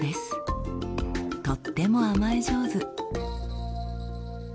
とっても甘え上手。